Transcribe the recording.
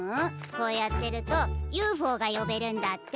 こうやってるとＵＦＯがよべるんだって。